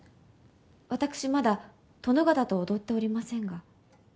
私まだ殿方と踊っておりませんが。